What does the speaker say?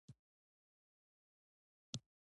قلم دې نه زړه کېږي چې رايې کړئ.